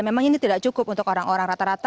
memang ini tidak cukup untuk orang orang rata rata